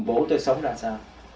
bố tôi sống ra sao